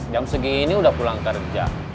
jam segini udah pulang kerja